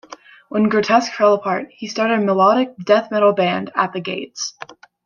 When Grotesque fell apart he started melodic death metal band At the Gates.